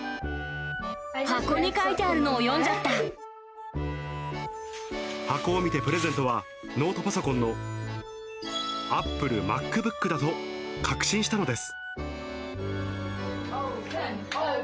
箱に書いてあるのを読んじゃ箱を見てプレゼントは、ノートパソコンのＡｐｐｌｅＭａｃｂｏｏｋだと確信したのです。